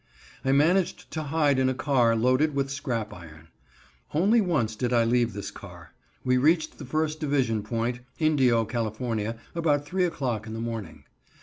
I managed to hide in a car loaded with scrap iron. Only once did I leave this car. We reached the first division point, Indio, Cal., about 3 o'clock in the morning.